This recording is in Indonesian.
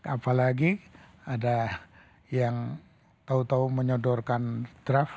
apalagi ada yang tau tau menyodorkan draft